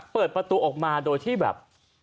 เปิดประตูออกมาโดยที่แบบ